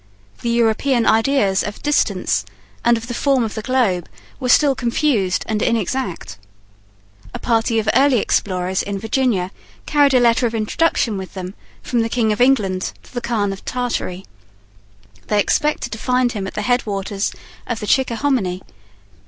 The European ideas of distance and of the form of the globe were still confused and inexact. A party of early explorers in Virginia carried a letter of introduction with them from the King of England to the Khan of Tartary: they expected to find him at the head waters of the Chickahominy.